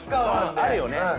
あるよね。